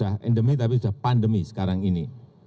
ini bukan endemik tapi sudah pandemi sekarang ini